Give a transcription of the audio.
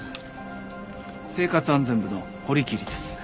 生活安全部の堀切です。